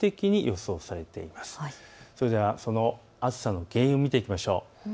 それでは暑さの原因を見ていきましょう。